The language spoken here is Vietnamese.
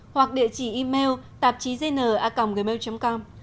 hoặc địa chỉ email tạp chí zn gmail com